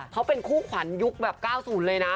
เขาเป็นคู่ขวัญยุคแบบ๙๐เลยนะ